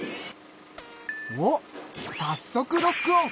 おっさっそくロックオン。